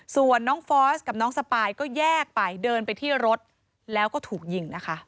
ส่วนน้องฟอสกับน้องสปายก็แยกไปเดินไปที่รถแล้วก็ถูกยิงนะคะ